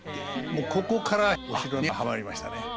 もうここからお城にはまりましたね。